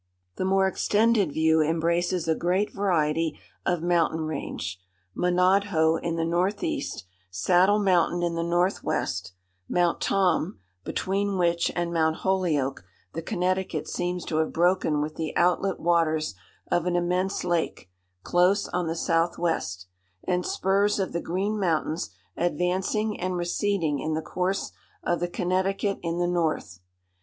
The more extended view embraces a great variety of mountain range—Monadhoe in the north east, Saddle Mountain in the north west, Mount Tom (between which and Mount Holyoke the Connecticut seems to have broken with the outlet waters of an immense lake) close on the south west, and spurs of the Green Mountains advancing and receding in the course of the Connecticut in the north.